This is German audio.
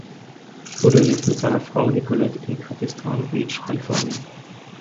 Budde lebt mit seiner Frau Nicolette in Capistrano Beach, Kalifornien.